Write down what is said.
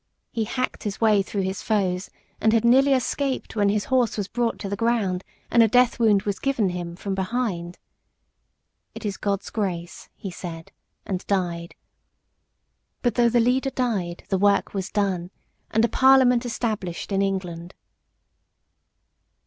He hacked his way through his foes, and had nearly escaped when his horse was brought to the ground, and a death wound was given him from behind. "It is God's grace," he said, and died. But though the leader died, the work was done, and a Parliament established in England.